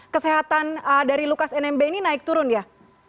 kesehatan dari lukas nmb ini naik turun ya